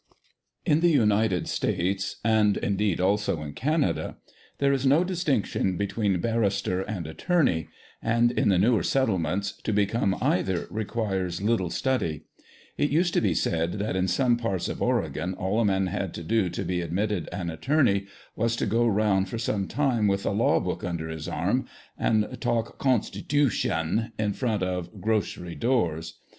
IN the United States (and indeed also ia Canada) there is no distinction between bar rister and attorney, and, in the newer settle ments, to become either requires little study. It used to be said that in some parts of Oregon all a man had to do to be admitted an attorney was to go round for some time with a law book under his arm, and talk " constitootion" in front of "grocery" doors.